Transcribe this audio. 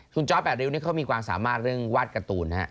คุณจอร์ด๘ริ้วนี่เขามีความสามารถเรื่องวาดการ์ตูน